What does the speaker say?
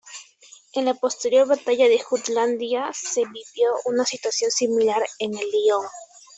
En la posterior Batalla de Jutlandia, se vivió una situación similar en el "Lion".